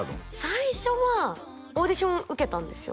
最初はオーディション受けたんですよ